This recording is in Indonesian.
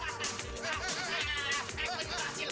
hei kamu berhasil